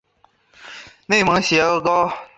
内蒙邪蒿